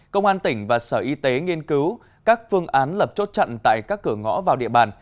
công an tỉnh và sở y tế nghiên cứu các phương án lập chốt chặn tại các cửa ngõ vào địa bàn